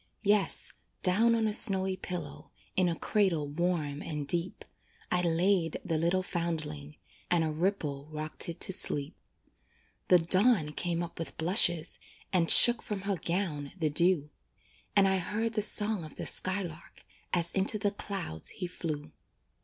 Yes, down on a snowy pillow, In a cradle warm and deep, I laid the little foundling, And a ripple rocked it to sleep. The dawn came up with blushes, And shook from her gown the dew; And I heard the song of the skylark, As into the clouds he flew.